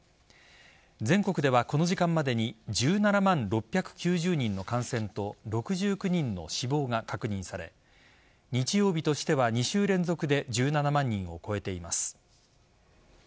全国ではこの時間までに１７万６９０人の感染と６９人の死亡が確認され日曜日としては２週連続で１７万人を超えています。